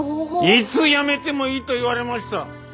「いつ辞めてもいい」と言われました。